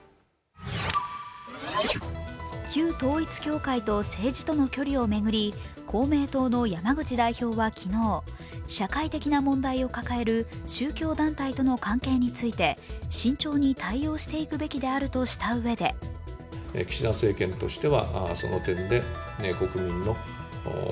旧統一教会と政治との距離を巡り、公明党の山口代表は昨日、社会的な問題を抱える宗教団体との関係について慎重に対応していくべきであるとしたうえでと話しました。